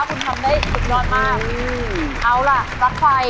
คุณทำได้สุดยอดมาก